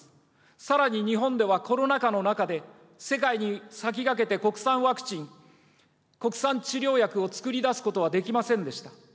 さらに日本ではコロナ禍の中で、世界に先駆けて国産ワクチン、国産治療薬を作り出すことはできませんでした。